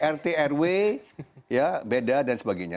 rt rw ya beda dan sebagainya